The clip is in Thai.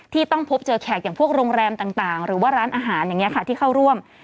ต้องพบเจอแขกอย่างพวกโรงแรมต่างหรือว่าร้านอาหารอย่างนี้ค่ะที่เข้าร่วม